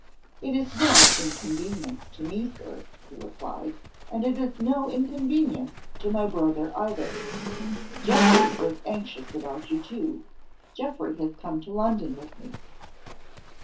"It is no inconvenience to me, Sir," he replied, "and it is no inconvenience to my brother either. Geoffrey was anxious about you too. Geoffrey has come to London with me."